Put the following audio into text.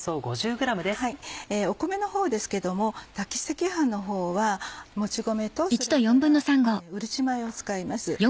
米の方ですけども炊き赤飯の方はもち米とそれからうるち米を使います。